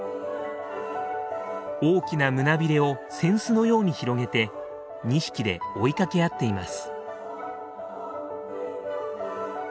大きな胸びれを扇子のように広げて２匹で追いかけ合っています。